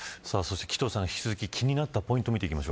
紀藤さん、引き続き気になったポイント